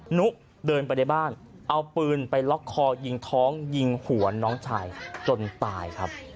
นุเดินไปในบ้านเอาปืนไปล็อกคอยิงท้องยิงหัวน้องชายจนตายครับ